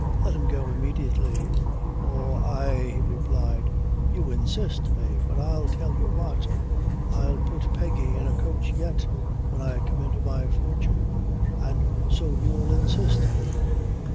Let him go immediately." "Oh, ay," he replied, "you insist, Mave; but I'll tell you what I'll put Peggy in a coach yet, when I come into my fortune; an' so you'll insist, will you?